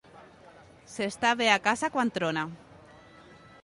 S'està bé a casa quan trona.